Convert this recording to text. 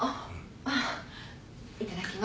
いただきます。